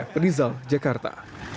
f rizal jakarta